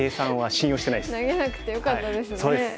投げなくてよかったですね。